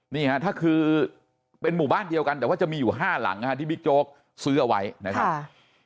นี่ฮะถ้าคือเป็นหมู่บ้านเดียวกันแต่ว่าจะมีอยู่๕หลังที่บิ๊กโจ๊กซื้อเอาไว้นะครับ